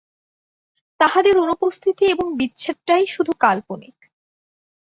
তাঁহাদের অনুপস্থিতি এবং বিচ্ছেদটাই শুধু কাল্পনিক।